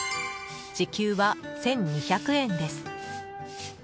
時給は１２００円です。